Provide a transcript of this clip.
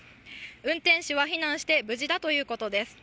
運転手は避難して無事だということです。